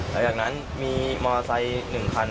หลังจากนั้นมีมอเตอร์ไซค์๑คัน